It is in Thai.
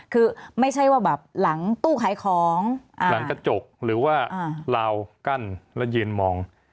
คือไม่ใช่ว่าแบบหลังตู้ขายของหลังกระจกหรือว่าลาวกั้นแล้วยืนมอง